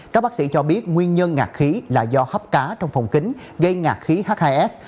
các bác sĩ cho biết nguyên nhân ngạc khí là do hấp cá trong phòng kính gây ngạc khí h hai s